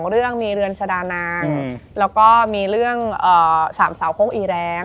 เรื่องมีเรือนชาดานางแล้วก็มีเรื่อง๓สาวโค้งอีแรง